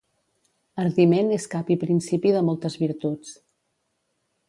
Ardiment és cap i principi de moltes virtuts.